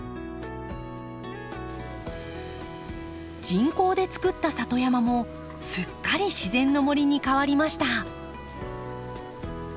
人工でつくった里山もすっかり自然の森に変わりました。